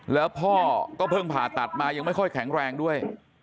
แล้วพ่อก็เพิ่งผ่าตัดมายังไม่ค่อยแข็งแรงด้วย